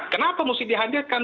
kenapa harus dihadirkan